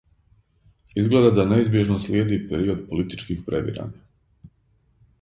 Изгледа да неизбјежно слиједи период политичких превирања.